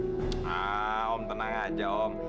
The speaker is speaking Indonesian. hmm om tenang aja om